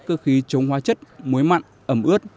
cơ khí chống hóa chất muối mặn ẩm ướt